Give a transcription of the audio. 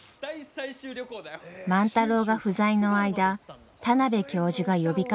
万太郎が不在の間田邊教授が呼びかけ